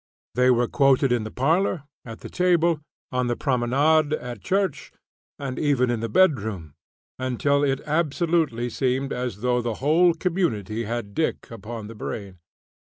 They were quoted in the parlor, at the table, on the promenade, at church, and even in the bedroom, until it absolutely seemed as though the whole community had "Dick" upon the brain.